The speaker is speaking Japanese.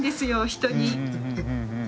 人に。